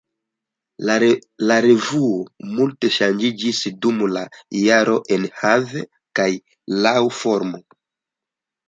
La revuo multe ŝanĝiĝis dum la jaroj enhave kaj laŭ formo.